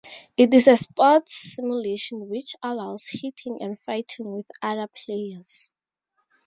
It is a sports simulation which allows hitting and fighting with other players.